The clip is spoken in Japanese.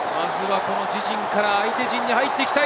自陣から相手陣に入っていきたい。